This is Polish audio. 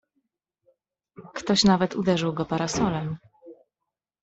"Ktoś nawet uderzył go parasolem."